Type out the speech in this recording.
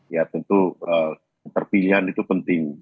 ya tentu keterpilihan itu penting